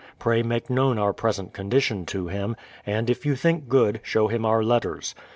Pray make known our present condition to him, and, if you ^ink good, show him our letters.